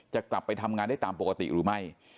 จะกลับไปทำงานได้ตามปกติหรือไม่